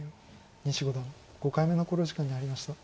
西五段５回目の考慮時間に入りました。